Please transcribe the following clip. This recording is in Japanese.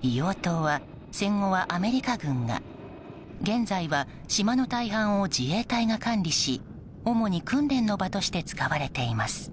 硫黄島は戦後はアメリカ軍が現在は島の大半を自衛隊が管理し主に訓練の場として使われています。